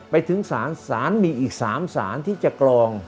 ไปถึงศาลศาลมีอีก๓สารที่จะกรอง